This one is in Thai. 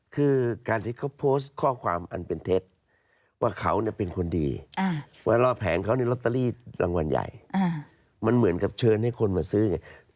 คือจะพ์อปปอสต์ข้อความอันเป็นทฤษฐ์ว่าเขาเนี่ยเป็นคนดีว่าเราแผงเขานี่ล็อตเตอรี่รางวัลใหญ่มันเหมือนกับเชิญให้คนมาซื้อ